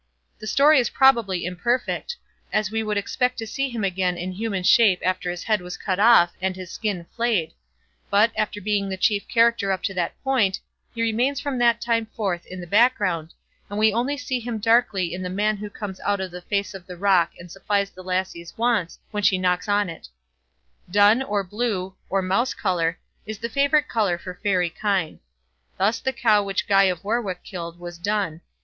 The story is probably imperfect, as we should expect to see him again in human shape after his head was cut off, and his skin flayed; but, after being the chief character up to that point, he remains from that time forth in the background, and we only see him darkly in the man who comes out of the face of the rock and supplies the lassie's wants when she knocks on it. Dun, or blue, or mouse colour, is the favourite colour for fairy kine. Thus the cow which Guy of Warwick killed was dun.